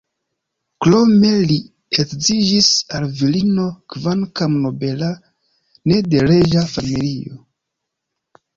Krome li edziĝis al virino, kvankam nobela, ne de reĝa familio.